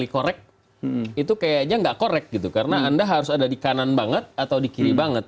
korek itu kayaknya nggak korek gitu karena anda harus ada di kanan banget atau di kiri banget